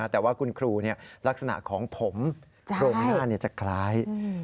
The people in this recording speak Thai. แต่ว่าคุณครูลักษณะของผมโครงหน้าจะคล้าย